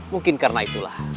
mungkin karena itulah